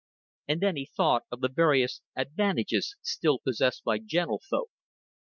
And then he thought of the various advantages still possessed by gentlefolk.